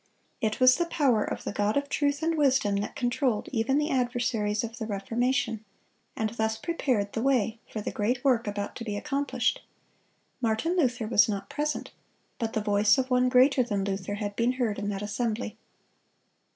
It was the power of the God of truth and wisdom that controlled even the adversaries of the Reformation, and thus prepared the way for the great work about to be accomplished. Martin Luther was not present; but the voice of One greater than Luther had been heard in that assembly.